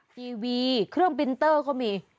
ทีวีเครื่องบินเตอร์เขามี